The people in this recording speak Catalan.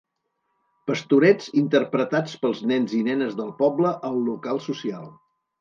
Pastorets interpretats pels nens i nenes del poble al local social.